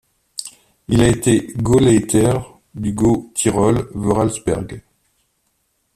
Il a été Gauleiter du Gau Tyrol-Vorarlberg.